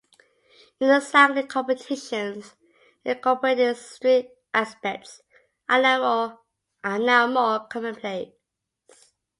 Unicycling competitions incorporating street aspects are now more commonplace.